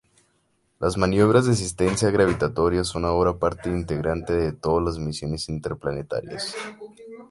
Las maniobras de asistencia gravitatoria son ahora parte integrante de todas las misiones interplanetarias.